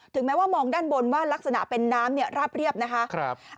แม้ว่ามองด้านบนว่าลักษณะเป็นน้ำราบเรียบนะคะ